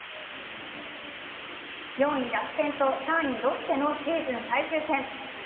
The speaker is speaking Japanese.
４位・楽天と３位・ロッテのシーズン最終戦。